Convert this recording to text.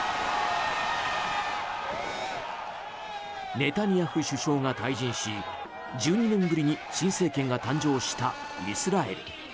ネタニヤフ首相が退陣し１２年ぶりに新政権が誕生したイスラエル。